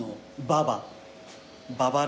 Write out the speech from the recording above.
ババ。